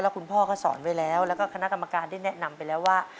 คุณพ่อก็สอนไว้แล้วแล้วก็คณะกรรมการได้แนะนำไปแล้วว่า